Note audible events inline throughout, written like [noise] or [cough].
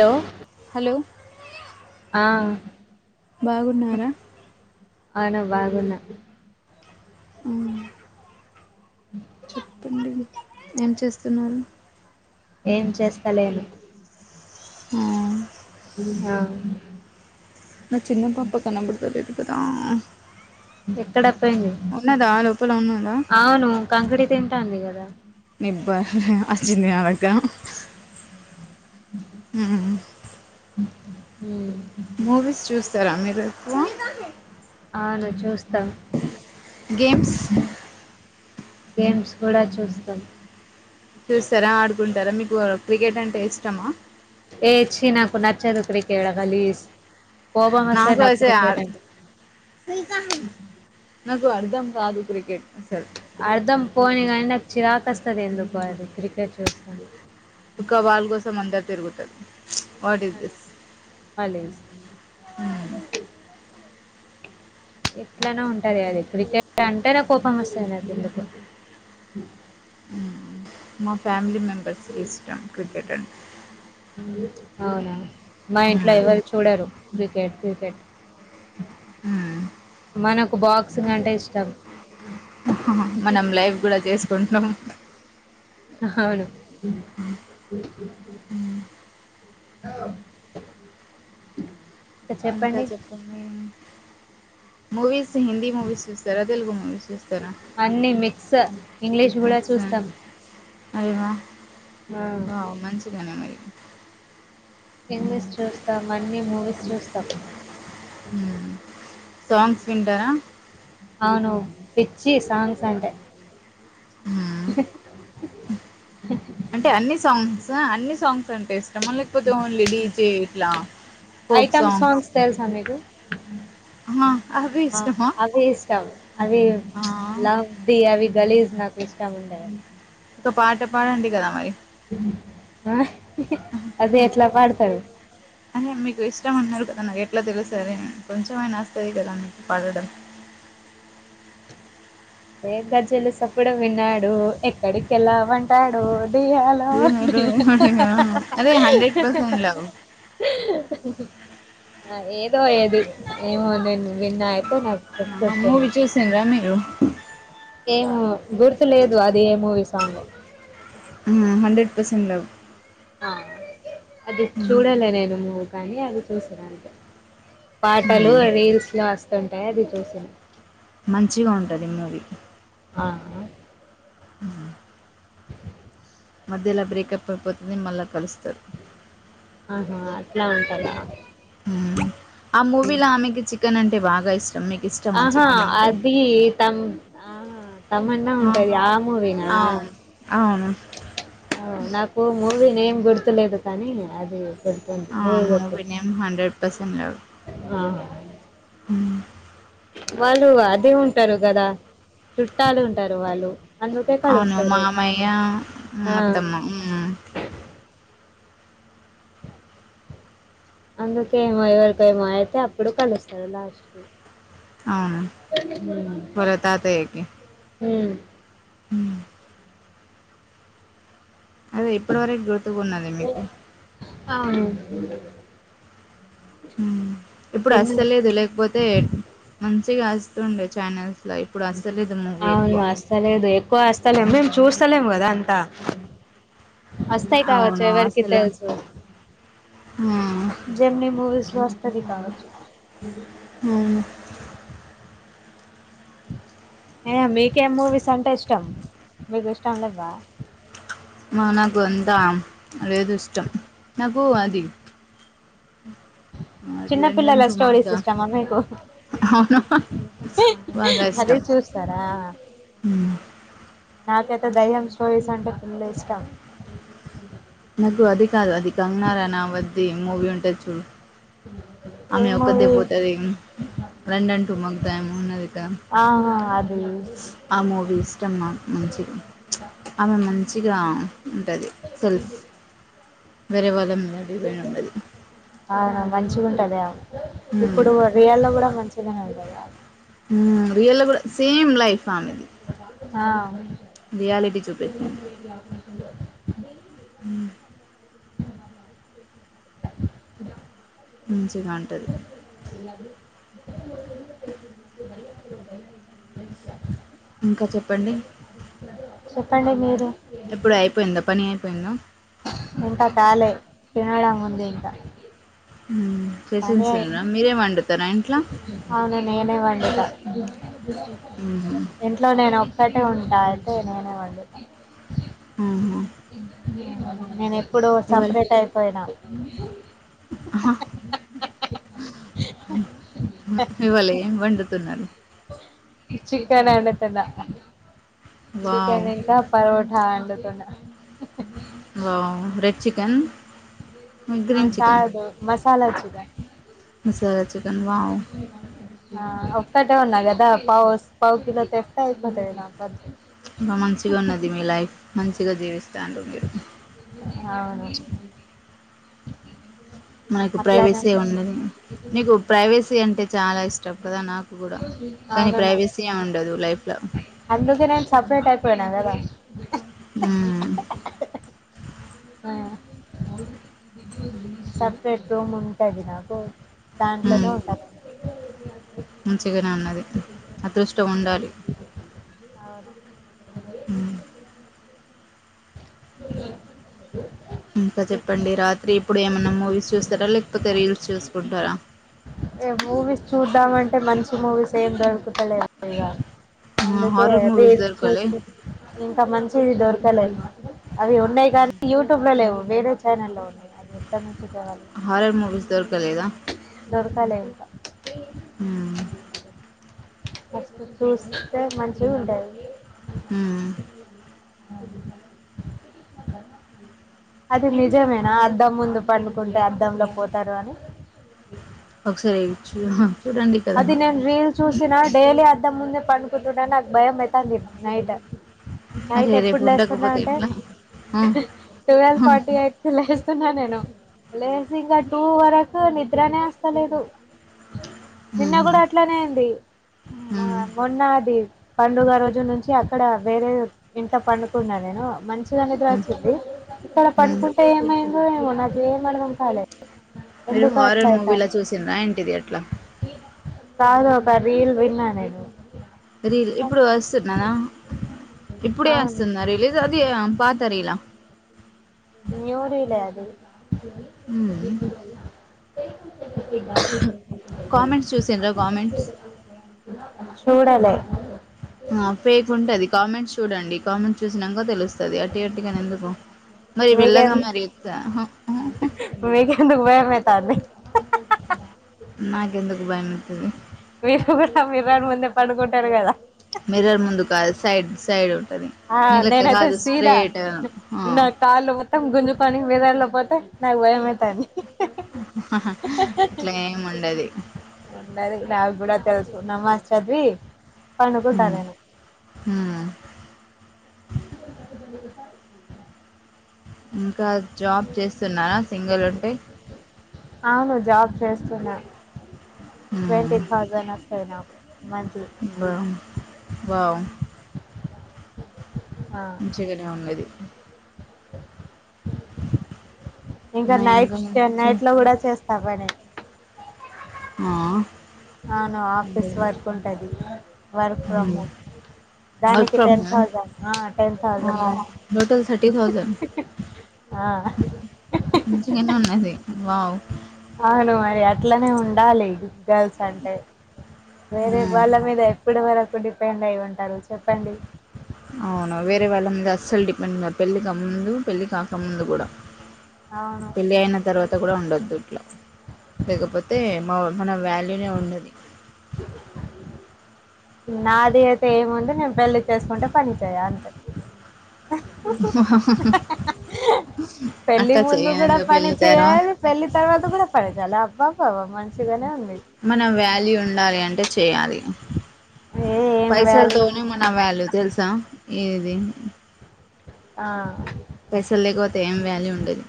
లో హలో ఆ బాగున్నారా అవును బాగున్నా ఉమ్ ఉమ్ ఏం చేస్తున్నారు ఏం చేస్తలేను ఆ ఉమ్ హా నా చిన్న పాప కనబడతలేదు కదా ఎక్కడ ప్ పెంది ఉన్నదా లోపల ఉన్నదా అవును కాంకిడి తిన్ తాంది కదా నిబ్బ హ హ అచ్చింది నాదంక ఉమ్ ఉమ్ మూవీస్ చూస్తారా మీరు ఎక్కువ అవును చూస్తాం గేమ్స్ గేమ్స్ కూడా చూస్తాం చూసరా ఆడుకుంటారా మీకు క్రికెట్ అంటే ఇష్టమా ఏ చ్చీ నాకు నచ్చదు క్రికెడ్ గాలీస్ నాకు అస నాకు అర్ధం కాదు క్రికె అర్థం పోని కానీ నాకు చిరాకస్తది ఎందుకు అది క్రికెట్ చూస్తుంది ఒక బాల్ కోసం అందరూ తిరుగుతరు అలేస్ దిస్ ఇట్లానో ఉంటది అది క్రికెట్ అంటేనే కోపం వస్తుంది నాకు ఎందుకో హ్మ్. మా ఫ్యామిలీ మే బెస్ట్ ఇష్టం క్రికెట్ అంటె అవునా మా ఇంట్లో ఎవరి చూడరు క్రికెట్ క్రికెట్ హ్మ్. మనకు బాక్సింగ్ అంటే ఇష్టం మనం లైఫ్ కూడా చేసుకుంటున్నాం అహా అవును హ్మ్. ఇంకా చెప్పండి మూవీస్ హిందీ మూవీస్ చూస్తారా తెలుగు మూవీస్ చూస్తారా స ఇంగ్లీష్ కూడా చూస్తాం అల్వా ఆ హ్మ్. ఇంగ్లీష్ చూస్తాం అన్నీ మూవీస్ చూస్తాం హ్మ్. సాంగ్స్ వింటారా అవును పిచ్చి సాంగ్స్ అంటే హ్మ్. అంటే అన్ని సాంగ్స్ ఆ అన్ని సాంగ్స్ అంటే లేకపోతే ఓన్లీ డీజే ఇట్ల ఫోక్ ఐటమ్ సాంగ్స్ తెలుసా మీకు హా అవి ఆ ఇష్టమా అవి ఇష్టం అవి ఆ! చ్ లవ్ ది అవి గలీజ్ నాకు ఇష్టం ఉండయ్ ఒక పాట పాడండి కదా మరి ఆ అదే ఎట్లా పాడతారు మ్ మీకు ఇష్టం అన్నారు కదా నాకు ఎట్లా తెలుస్తది అ కొంచెంమైనా వస్తాది కదా పాడడం ఏ గజ్జెలు సప్పుడు విన్నాడు ఎక్కడికేళ్లావంటాడు డియ్యాలో మీరు డియ్యా అదే హండ్రెడ్ పర్సెంట్ లవ్ ఆ ఏదో అయ్యేది ఏమో నేను విన్నా అయితే నాకు చెప్ చెప్తాను మూవీ చూసిన్ర మీరు ఏం గుర్తు లేదు అది ఏ మూవీ సాంగో ఆ హండ్రెడ్ పర్సెంట్ లవ్ ఆ అది చూడలే నేను మూవీ కానీ అది చూసిన పాటలు మ్మ్ రీల్స్ లో వస్తుంటాయి అది చూసిన మంచిగా ఉంటది మూవీ ఆహా మధ్యలా బ్రేకప్ అయిపోతది మళ్ళా కలుస్తారు ఆహా అట్లా అంటరా మ్మ్ ఆ మూవీల ఆమెకి చికెన్ అం టే బాగా ఇష్టం ఇష్టమా ఆహా చికెన్ అంటే అది తం ఆహా తమన్నా ఉంటది ఆ మూవీనా ఆహ్ అవును నాకు మూవీ నేమ్ గుర్తులేదు కానీ అది గుర్తుంది మూవీ గుర్తుంది ఎం హండ్రెడ్ పర్సెంట్ లవ్ ఆహా మ్మ్ వాళ్ళు అది ఉంటారు కదా చుట్టాలు ఉంటారు వాళ్ళు అందుకే అవును కలుస్తారు మామయ్య ఆ, అత్తమ్మ మ్ అందుకేమో ఎవరికో ఏమో అయితే అప్పుడు కలుస్తారు లాస్ట్ కి అవును వాళ్ళ తాతయ్యకి ఉమ్. మ్మ్ అదే ఇప్పటి వరకు గుర్తుకున్నది మీకు అవును మ్మ్ ఇప్పుడు చిన్న అస్తలేదు లేకపోతే మంచిగా అస్ టుండే ఛానల్ అవును అస్తలేదు ఎక్కువ అస్ స్తలేం మేము చూస్తలేం కదా అంతా అస్తయి కావచ్చు అవును ఎవరికి అసలు తెలుసు మ్మ్ వస్తది కావచ్చు అవును ఏ మీకేం మూవీస్ అంటే ఇష్టం మీకు ఇష్టం లెవ్వా మనకు అంత లేదు ఇష్టం నాకు అది ఆ, లండన్ చిన్నపిల్లల స్టోరీస్ టుమగ్గా ఇష్టమా మీకు అవును బాగా మరి ఇష్టం చూస్తారా మ్మ్ ఆ నాకైతే దయ్యం స్టోరీస్ అంటే ఫుల్లు ఇష్టం నాకు అది కాదు అది కంగనా రనౌత్ ది మూవీ ఉంటది చూడు ఏ ఆమె ఒక్కతే మూవీ పోతది లండన్ టూ మగ దయ్యం ఉన్నదిగా ఆహా అది ఆ మూవీ ఇష్టం నాకు మంచిది ఆమె మం చిగురా ఉంటది సెల్ఫ్ వేరే వల్ లం మేడి వేనున్నది మంచిగుంటదా ఇప్పుడు రియల్ లో కూడా మంచినే [inaudible] గదా హ్మ్ రియల్ లో కూడా సేమ్ లై స్వామిది ఆ రియాలిటీ చూపెట్టిన్ మంచిగా ఉంటాది ఇంకా చెప్పండి చెప్పండి మీరు ఇప్పుడు అయిపోయిందా పని అయిపోయిందా ఇంకా కాలే తినడం ఉంది ఇంకా కానీ చేసింసారా మీరేం వండుతారా ఇంట్ల అవును నేనే ఇంట్లో నేను ఒక్కటే ఉంటా అయితే నేనే వండుతా నేను. ఇప్పుడు ఇవాళ సపరేట్ అయిపోయినా. హ్ ఆహ్. ఆహా ఆహ్. ఇవ్వలే వండు తున్నారు. చికెన్ వండుతున్న. చికెన్ వావ్ ఇంకా పరోటా వండు. తున్న వావ్ రే చికెన్ ఆ గ్రీన్ చికెన్ కాదు మసాలా చికెన్ మసాలా చికె వావ్ ఆహా ఒక్కటే ఉన్నా కదా పావు పావు కిలో తెస్తా అయిపోతాది నా ఇంకా మంచిగా ఉన్నది మీ లైఫ్ మంచిగా జీవిస్తా డు మీరు అవును మనకు అట్లానే ప్రైవేసీ ఉండాలి ఉండదు నీకు ప్రైవసీ అంటే చా చాలా ఇష్టం కదా నాకు కూడా కానీ అవునన్నా ప్రైవేసీ ఏమి ఉండదు లైఫ్ లా పోయానా కదా ఉ ఆ సపరేట్ రూమ్ ఉంటుంది నాకు దాంట్లోనే ఉంట మంచిగానే అన్నది అదృష్టం ఉండాలి అవును అ ఇంకా చెప్పండి రాత్రి ఇప్పుడు ఏమైన్నా మూవీస్ చూస్తారా లేకపోతే రీల్స్ చూసుకుంటారా మూవీస్ చూద్దామంటే మంచి మూవీస్ ఏం దొరుకుతలేదు ఇగా అందుకే హారర్ మూవీస్ రీల్స్ దొరకలే చూసి ఇంకా మంచి చిది దొరకాలమా అవి ఉన్నాయి కానీ యూట్యూబ్ లో లేవు వేరే ఛానల్ల్లో ఉన్నాయి అది ఇంటర్ హారర్ మూవీస్ దొరకలేదా దొరకాల ఇంకా అ ఉ అది నిజమేనా అద్దం ముందు పండుకుంటే అద్దంలో పోతారు అని ఒకసారివి చూ చూడండి కదా అది నేను రీల్ డైలీ ఆ ఇంత ముందే పండుకుంటుంటే నాకు భయంమయితాంది నైట్ నైట్ అరే రేపు ఎప్పుడు లేస్తున్నా ఉండకపోతే అంటే ఎట్లా ఆ ట్వెల్వ్ ఫార్టీ అట్ లే న్నా నేను లేసి ఇంకా టూ వరకు నిద్రనే వస్తలేదు ఉహు నిన్న కూడా అట్లనే అయింది ఉమ్ మొన్నది పండుగ రోజు నుంచి అక్కడ వేరే ఇంట్లా పండుకున్నా నేను మంచిగా నిద్ర ఉమ్ వచ్చిద్ది ఇక్కడ ఉమ్ పండుకుంటే ఏమైందో ఏమో నాకి ఏం అర్థం కాలే మీరు హార్రర్ మూవీలా చూసిన్రా ఏంటిది ఎట్లా కాదు [inaudible] రీల్ విన్నానేను రీల్ ఇప్పుడు వస్తున్నానా ఇప్పుడే అవును వస్తున్నా రిలీజ్ పాత రీలా ఎవ్వరు ఈలె ఆది ఉమ్ కామెంట్స్ చూసిండ్రా కామెంట్స్ చూడలే ఆ ఫేక్ ఉంటది కామెంట్స్ చూడండి కామెంట్స్ చూసినాక తెలుసు వది అటు అటుగాని ఎందుకు మరి మీకెం వెల్ళగా మరి ఎందుకు భయమయితంది నాకెందుకు భయమతుంది మీరు కూడా మిర్రర్ ముందే పడుకుంటారు కదా మిర్రర్ ముందు కాదు సైడ్ సైడ్ ఉంటది ఆ నీలెక్క నేను అద కాదు సీదా స్ట్రేట్ ఆ నా కాలు మొత్తం గుంజు కొని బదడలోపోతే నాకు భయమవుతంది అట్లా ఏం ఉండది ఉండది నాకు కూడా తెలుసు నమాస్ చదివి పండుకుంటా ఉమ్ నేను ఉమ్ ఇంకా జాబ్ చేస్తున్నారా సింగిల్ ఉంటే అవును జాబ్ చేస్తున్నా ట్వంటీ థౌసండ్ అస్తది నాకు మంత్లీ వె వ వావ్ ఆ మంచిగానే ఉండది ఇంకా నా నైట్ ఇన్కమ్ స్టే వచ్చి నైట్ లొ కూడ చేస్ తగాని ఆ అవును ఆఫీస్ వర్క్ ఉమ్ ఉంటది. వర్క్ ఫ్రమ్ వర్క్ దానికి ఫ్రమ్ టెన్ హోమ్ థౌజండ్ ఆ టెన్ ఆ థౌజండె టోటల్ థర్టీ థౌజండ్ ఆ మంచిగానే ఉన్నది వావ్ అవును మరి అట్లనే ఉండాలి గర్ల్స్ అంటె వేరె ఉమ్ బాల్ల మీదె ఇప్పడి వరకు డిపెండ్ అయి ఉంటారు చెప్పండి అవును వేరే వాళ్ళ మీద అస్సలు డిపెండ్ గా పెళ్లిగా ముందు పెళ్ళి కాకముందు కూడ అవును పెళ్ళి అయిన తర్వాత కూడ ఉండద్దు ఇట్లా లేకపోతే మా మన వాల్యూనె ఉండది నాది అయితె ఏముంది నేను పెళ్లి చేసుకుంటె పని చేయ అంతె పెళ్లి అట్లా ముందు కూడ చేయదు పని పెళ్లి తర్వాత చేయాలి పెళ్లి తర్వాత కూడ పని చేయాలి అబ్బా బబా మంచిగానె ఉంది మన వ్యాల్యూ ఉండాలి అంట్ టె చేయాలి ఏ ఏం వాల్యూ పైసలతోనె మన వ్యాల్యూ తెలుసా ఏది ఆ పైసలు లేకపోతె ఏం వ్యాల్యూ ఉండదు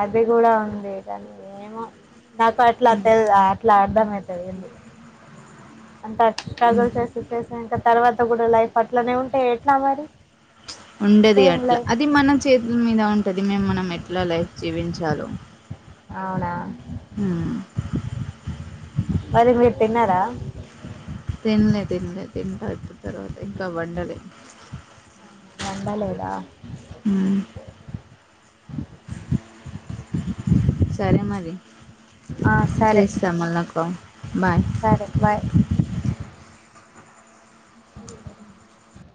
అది కూడ ఉంది కాని ఏమో నాకు అట్లా తెల్ అట్లా బైమైతాది ఎందు అంత స్ట్రగుల్ చేసి ప్లేస్ అయింటాం తర్వాత గుడా లైఫ్ అట్లనె ఉంటె ఎట్ల మరి ఉండది సేమ్ అట్లా లైఫ్ అది మనం చేతుల మీద ఉం టది మే మనం ఎట్ల లైఫ్ జీవించాలో అవునా ఉమ్ మరి మీరు తిన్నారా తినలే తినలే తింటా ఇప్పుడు తర్వాత ఇంకా వండలే వండలేదా హుమ్ సరే మరి ఆ సరే చేస్తా మళ్ళా అక్క బాయ్ సరే బాయ్